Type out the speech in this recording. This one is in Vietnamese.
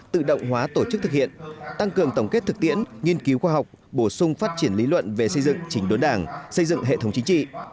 tự động hóa tổ chức thực hiện tăng cường tổng kết thực tiễn nghiên cứu khoa học bổ sung phát triển lý luận về xây dựng chỉnh đốn đảng xây dựng hệ thống chính trị